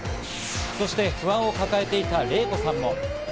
そして不安を抱えていたレイコさんも。